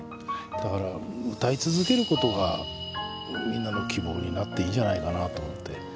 だから歌い続けることがみんなの希望になっていいんじゃないかなと思って。